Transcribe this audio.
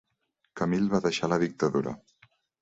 Camil va deixar la dictadura.